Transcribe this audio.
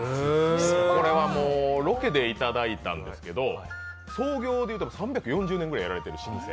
これはロケでいただいたんですけど創業でいうと３４０年くらいやられているお店。